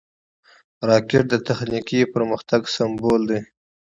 راکټ د تخنیکي پرمختګ سمبول دی